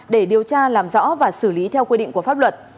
để điều tra làm rõ và xử lý theo quy định của pháp luật